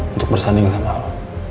untuk bersanding sama lo